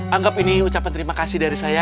anggap ini ucapan terima kasih dari saya